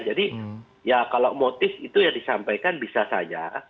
jadi ya kalau motif itu yang disampaikan bisa saja